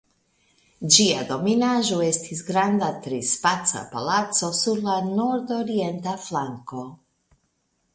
Ĝia dominaĵo estis granda trispaca palaco sur la nordorienta flanko.